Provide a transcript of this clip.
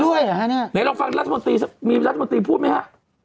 เดี๋ยวเราลองฟังรัฐมนตรีพูดไหมคะ